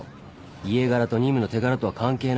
家柄と任務の手柄とは関係ない。